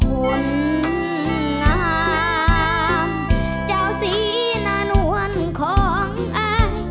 หวนน้ำเจ้าสีหน้านวลของอาย